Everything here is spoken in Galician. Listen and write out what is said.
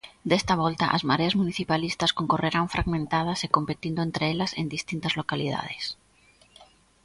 Desta volta, as mareas municipalistas concorrerán fragmentadas e competindo entre elas en distintas localidades.